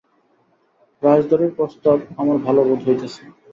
রাজধরের প্রস্তাব আমার ভালো বোধ হইতেছে।